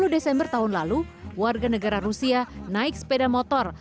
dua puluh desember tahun lalu warga negara rusia naik sepeda motor